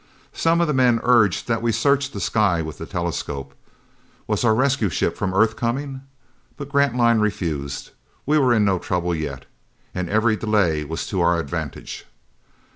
Some of the men urged that we search the sky with the telescope. Was our rescue ship from Earth coming? But Grantline refused. We were in no trouble yet. And every delay was to our advantage.